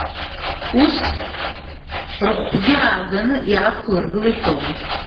Ус рхәгьы ааганы иаақәлыргылеит Тома.